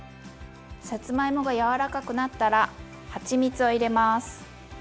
さつまいもが柔らかくなったらはちみつを入れます。